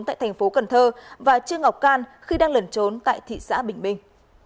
tại thành phố cần thơ và trương ngọc can khi đang lẩn trốn tại thị xã bình minh